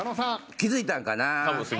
気付いたんかな。